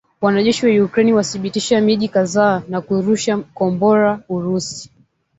Wanajeshi wa Ukraine wadhibithi miji kadhaa na kurusha kombora Urusi